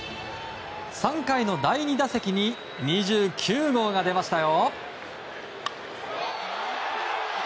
３回の第２打席に２９号が出ましたよ。